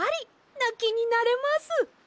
なきになれます！